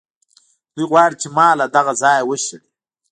دوی غواړي چې ما له دغه ځایه وشړي.